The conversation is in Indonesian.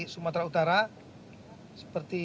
sumatera utara seperti